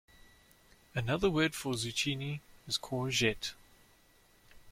Another word for zucchini is courgette